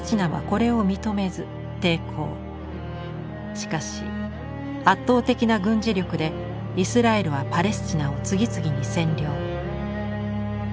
しかし圧倒的な軍事力でイスラエルはパレスチナを次々に占領。